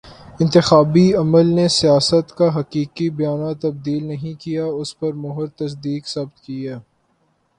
انتخابی عمل نے سیاست کا حقیقی بیانیہ تبدیل نہیں کیا، اس پر مہر تصدیق ثبت کی ہے۔